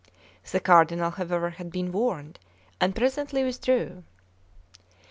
The Cardinal, however, had been warned, and presently withdrew.